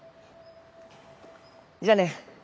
じゃあね。